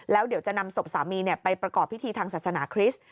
แล้วเดี๋ยวจะนำศพสามีไปประกอบพิธีทางศาสนาคริสต์